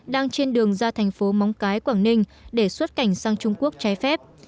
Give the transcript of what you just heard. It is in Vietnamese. đang trên đường ra thành phố móng cái quảng ninh để xuất cảnh sang trung quốc trái phép